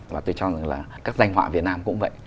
và tôi cho rằng là các danh họa việt nam cũng vậy